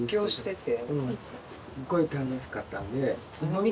すごい楽しかったんですごい！